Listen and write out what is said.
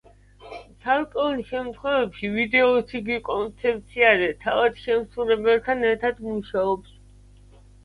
ცალკეულ შემთხვევებში, ვიდეოს იგი კონცეფციაზე თავად შემსრულებელთან ერთად მუშაობს.